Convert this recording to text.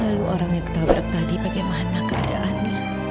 lalu orang yang ketabrak tadi bagaimana keadaannya